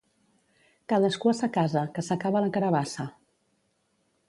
Cadascú a sa casa que s'acaba la carabassa.